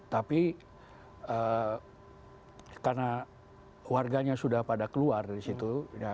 tapi karena warganya sudah pada keluar dari situ